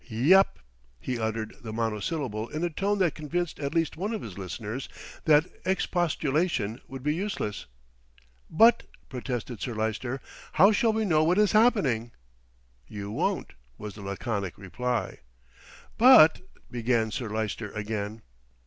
"Yep!" He uttered the monosyllable in a tone that convinced at least one of his listeners that expostulation would be useless. "But," protested Sir Lyster, "how shall we know what is happening?" "You won't," was the laconic reply. "But " began Sir Lyster again.